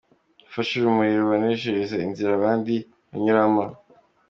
Ufashe urumuri ruboneshereza inzira abandi banyuramo.